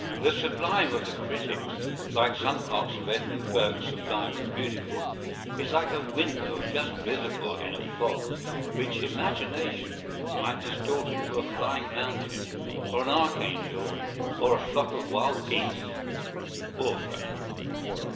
The sublime of the critics, like some parts of Edmund Burke's sublime and beautiful, is like a windmill just visible in a fog, which imagination might distort into a flying mountain, or an archangel, or a flock of wild geese.—Author.